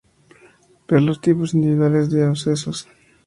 Ver los tipos individuales de abscesos.